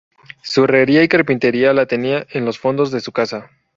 Su Herrería y Carpintería la tenía en los fondos de su casa.